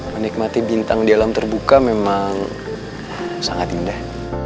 menikmati bintang di alam terbuka memang sangat indah